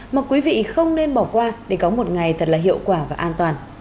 mà quý vị không nên bỏ qua để có một ngày thật là hiệu quả và an toàn